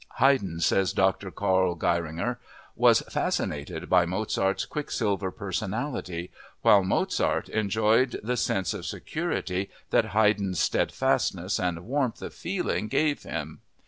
Haydn, says Dr. Karl Geiringer, "was fascinated by Mozart's quicksilver personality, while Mozart enjoyed the sense of security that Haydn's steadfastness and warmth of feeling gave him."